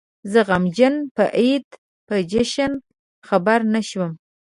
زه غمجن په عيد په جشن خبر نه شوم